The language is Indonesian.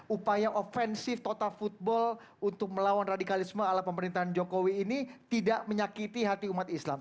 karena upaya offensif total football untuk melawan radikalisme ala pemerintahan jokowi ini tidak menyakiti hati umat islam